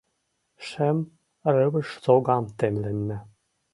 Шем рывыж согам темленна